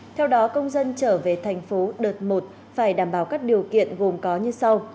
theo đó công dân trở về tp đợt một phải đảm bảo các điều kiện gồm có như sau